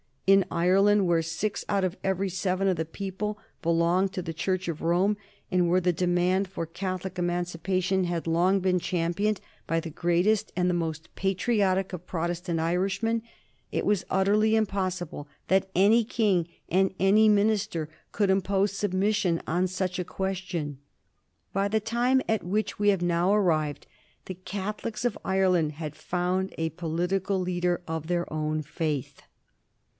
In Ireland, where six out of every seven of the people belonged to the Church of Rome, and where the demand for Catholic Emancipation had long been championed by the greatest and the most patriotic of Protestant Irishmen, it was utterly impossible that any King and any minister could impose submission on such a question. By the time at which we have now arrived the Catholics of Ireland had found a political leader of their own faith.